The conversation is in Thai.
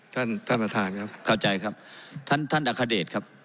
ท่านประธานครับเข้าใจครับท่านท่านอัคเดชครับ